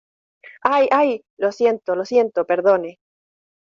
¡ ay, ay! lo siento , lo siento. perdone .